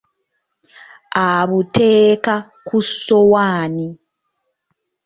Abuteeka ku ssowaani.